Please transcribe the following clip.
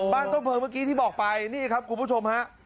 ต้นเพลิงเมื่อกี้ที่บอกไปนี่ครับคุณผู้ชมฮะ